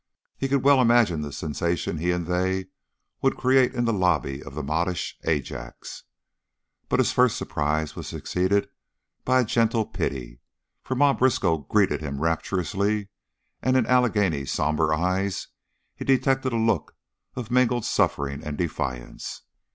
He could well imagine the sensation he and they would create in the lobby of the modish Ajax. But his first surprise was succeeded by a gentle pity, for Ma Briskow greeted him rapturously, and in Allegheny's somber eyes he detected a look of mingled suffering and defiance.